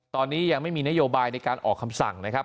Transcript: ตอนนี้ยังไม่มีนโยบายในการออกคำสั่งนะครับ